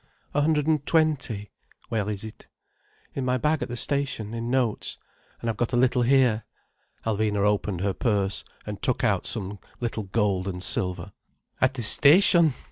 "A hundred and twenty—" "Where is it?" "In my bag at the station—in notes. And I've got a little here—" Alvina opened her purse, and took out some little gold and silver. "At the station!"